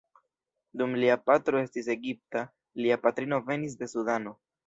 Dum lia patro estis Egipta, lia patrino venis de Sudano.